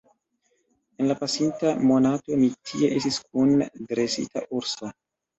En la pasinta monato mi tie estis kun dresita urso.